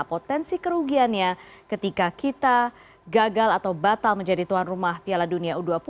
dan potensi kerugiannya ketika kita gagal atau batal menjadi tuan rumah piala dunia u dua puluh